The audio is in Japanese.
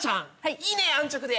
いいね安直で。